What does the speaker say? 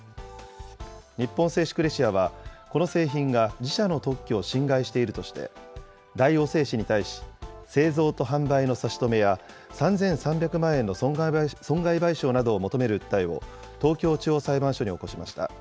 日本製紙クレシアは、この製品が、自社の特許を侵害しているとして、大王製紙に対し、製造と販売の差し止めや、３３００万円の損害賠償などを求める訴えを、東京地方裁判所に起こしました。